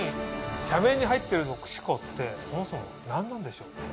社名に入ってる「特殊鋼」ってそもそも何なんでしょう？